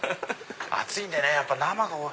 暑いんでね生が。